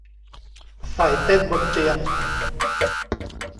ใส่เต้นบนเตียง